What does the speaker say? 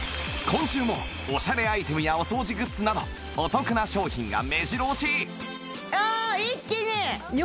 今週もオシャレアイテムやお掃除グッズなどお得な商品が目白押し！